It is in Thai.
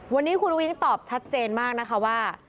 วันนี้คุณอุ้งตอบชัดเจนมากนะคะว่า